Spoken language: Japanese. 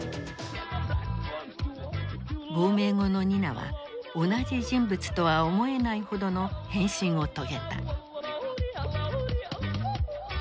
亡命後のニナは同じ人物とは思えないほどの変身を遂げた。